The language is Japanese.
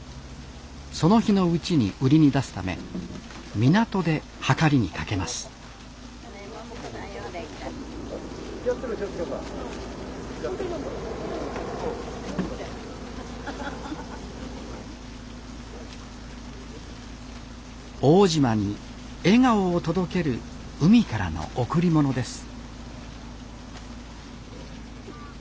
その日のうちに売りに出すため港ではかりにかけます奥武島に笑顔を届ける海からの贈り物です